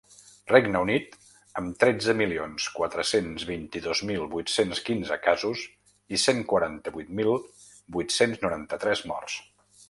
Regne Unit, amb tretze milions quatre-cents vint-i-dos mil vuit-cents quinze casos i cent quaranta-vuit mil vuit-cents noranta-tres morts.